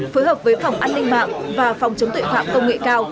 phối hợp với phòng an ninh mạng và phòng chống tuệ phạm công nghệ cao